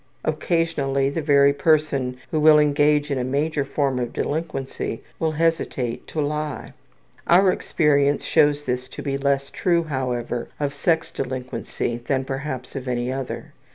Occasionally the very person who will engage in a major form of delinquency will hesitate to lie. Our experience shows this to be less true, however, of sex delinquency than perhaps of any other.